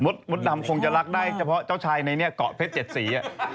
มดดำคงจะรักได้เฉพาะเจ้าชายในนี้เกาะเพชร๗สี